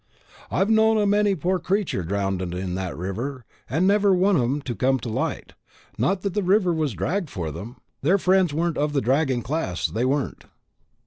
"I've known a many poor creatures drownded in that river, and never one of 'em to come to light not that the river was dragged for them. Their friends weren't of the dragging class, they weren't."